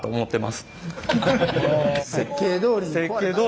設計どおり。